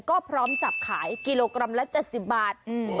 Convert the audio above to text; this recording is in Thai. ก็พร้อมจับขายกิโลกรัมละ๗๐บาท